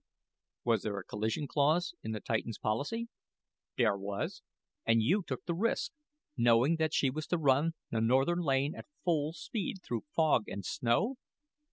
"Was there a collision clause in the Titan's policy?" "Dere was." "And you took the risk, knowing that she was to run the Northern Lane at full speed through fog and snow?"